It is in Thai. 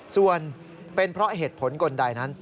ส่วนเป็นเพราะเหตุผลกลใดนั้น